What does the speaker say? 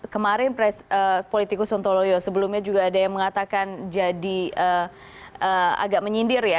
kemarin politikus sontoloyo sebelumnya juga ada yang mengatakan jadi agak menyindir ya